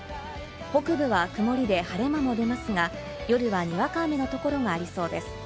北部は曇りで、晴れ間も出ますが、夜はにわか雨のところがありそうです。